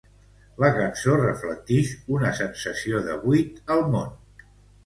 La cançó reflectix una sensació de buit al món.